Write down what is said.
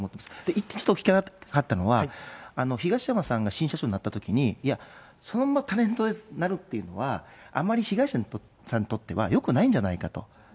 一点ちょっと聞きたかったのは、東山さんが新社長になったときに、いや、そのままタレントさんがなるっていうのは、あまり被害者さんにとってはよくないんじゃないかと。